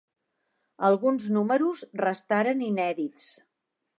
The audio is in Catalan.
Alguns números restaren inèdits.